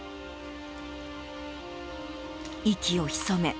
息を潜め